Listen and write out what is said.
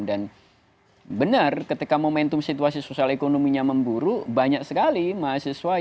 dan benar ketika momentum situasi sosial ekonominya memburuk banyak sekali mahasiswa yang bergabung dengan